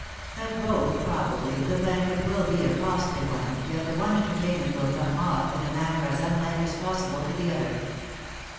At both, probably, the banquet will be a costly one, yet the one entertainment will come off in a manner as unlike as possible to the other.